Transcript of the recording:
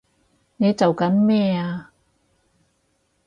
你做緊咩啊！